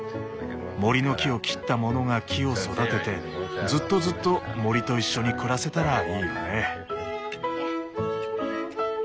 森の木を切った者が木を育ててずっとずっと森と一緒に暮らせたらいいよね。